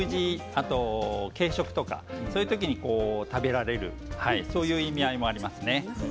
あと軽食とかそういう時に食べられるそういう意味合いもありますね。